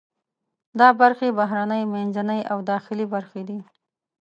دا برخې بهرنۍ، منځنۍ او داخلي برخې دي.